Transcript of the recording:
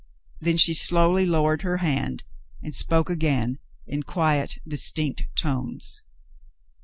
Then she slowly lowered her hand and spoke again, in quiet, distinct tones.